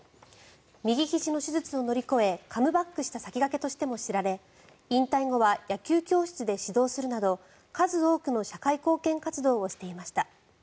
右ひじの手術を乗り越えカムバックした先駆けとしても知られ引退後は野球教室で指導するなど数多くの社会貢献活動をしていました。